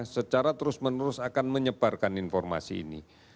secara terus menerus akan menyebarkan informasi ini